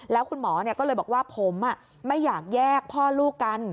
แล้วคุณหมอก็เลยบอกว่าผมไม่อยากแยกพ่อลูกกัน